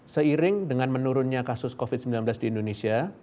seiring dengan menurunnya kasus covid sembilan belas di indonesia